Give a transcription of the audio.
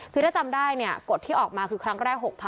คือถ้าจำได้เนี่ยกฎที่ออกมาคือครั้งแรก๖๐๐